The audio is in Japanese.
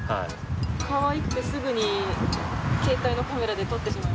かわいくてすぐに携帯のカメラで撮ってしまいますね